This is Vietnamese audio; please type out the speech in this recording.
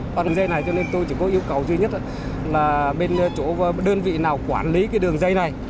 qua đường dây này cho nên tôi chỉ có yêu cầu duy nhất là bên chỗ đơn vị nào quản lý cái đường dây này